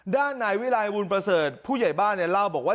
ด้านนายวิรัยบุญประเสริฐผู้ใหญ่บ้านเนี่ยเล่าบอกว่า